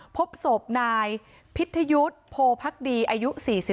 พบศพนายพิทยุทธ์โพพักดีอายุ๔๒